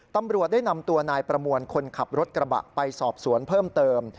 ตำรวจได้นำตัวนายประมวลคนขับรถกระบะไปสอบสวนเพิ่มเติม